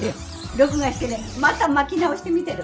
録画してねまた巻き直して見てる。